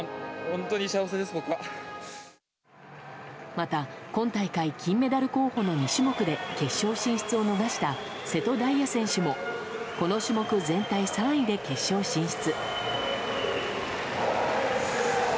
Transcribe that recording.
また今大会金メダル候補の２種目で決勝進出を逃した瀬戸大也選手もこの種目全体３位で決勝進出。